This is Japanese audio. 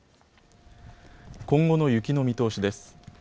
今後の雪の見通しです。